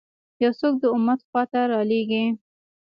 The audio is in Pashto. یو څوک د امت خوا ته رالېږي.